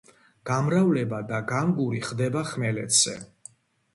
გამრავლება და განგური ხდება ხმელეთზე.